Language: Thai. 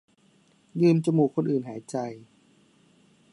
ยืมจมูกคนอื่นหายใจ